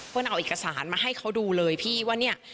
นำเอาเอกสารมาให้เขาดูเลยพี่ว่าเนี่ย